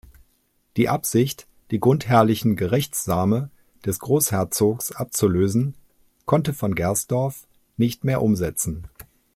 Die Absicht die grundherrlichen Gerechtsame des Großherzogs abzulösen, konnte von Gersdorff nicht mehr umsetzen.